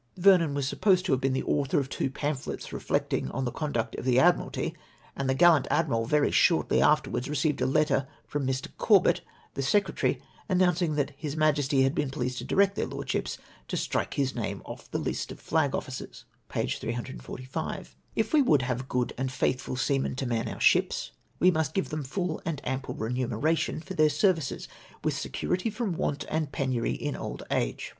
Vernon was supposed to have been the autlior of two pamphlets, reflecting on the conduct of the Admiralty, and the gallant Admiral very shortly afterwards received a letter from Mr. Corbett, the secretar}', announcing that His jNIajesty had l)een pleased to direct their Lordships to strike his name off the list offiiui officers:' (p. 345.) " If we would have good and faitliful seamen to man our ships, we must give them full and ample remuneration for their services, urith security from ivant and penury in old arje.